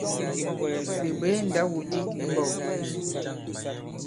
Ɓè bwě ndaw-wudǐk i mbɔ̄k ì ?